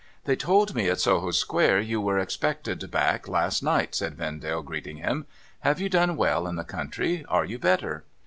' They told me at Soho square you were expected back last night,' said Vendale, greeting him. ' Have you done well in the country ? Are you better